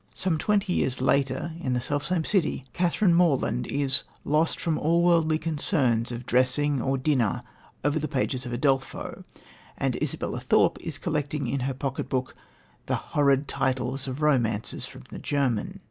Some twenty years later, in the self same city, Catherine Morland is "lost from all worldly concerns of dressing or dinner over the pages of Udolpho," and Isabella Thorpe is collecting in her pocket book the "horrid" titles of romances from the German.